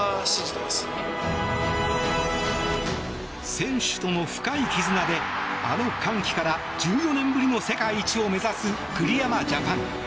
選手との深い絆であの歓喜から１４年ぶりの世界一を目指す栗山ジャパン。